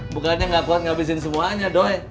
bukannya gak kuat ngabisin semuanya doy